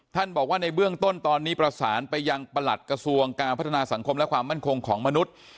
บอกว่าในเบื้องต้นตอนนี้ประสานไปยังประหลัดกระทรวงการพัฒนาสังคมและความมั่นคงของมนุษย์